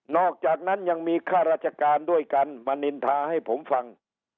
อกจากนั้นยังมีข้าราชการด้วยกันมานินทาให้ผมฟัง